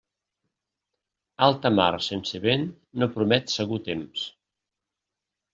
Alta mar sense vent no promet segur temps.